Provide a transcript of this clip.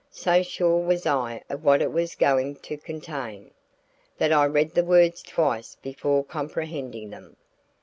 So sure was I of what it was going to contain, that I read the words twice before comprehending them.